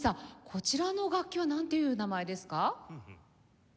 こちらの楽器はなんていう名前ですか？